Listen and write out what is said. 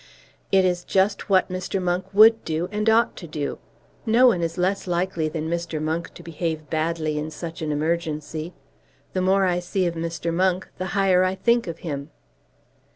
"It is just what Mr. Monk would do, and ought to do. No one is less likely than Mr. Monk to behave badly in such an emergency. The more I see of Mr. Monk, the higher I think of him."